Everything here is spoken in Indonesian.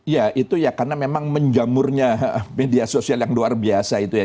ya itu ya karena memang menjamurnya media sosial yang luar biasa itu ya